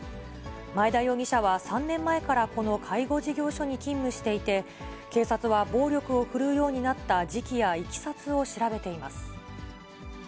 前田容疑者は３年前からこの介護事業所に勤務していて、警察は暴力を振るうようになった時期やいきさつを調べています。